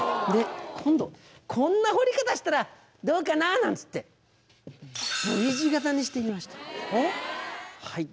で今度こんな掘り方したらどうかなあなんつってＶ字型にしてみました。